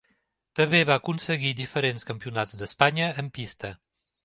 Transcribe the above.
També va aconseguir diferents campionats d'Espanya en pista.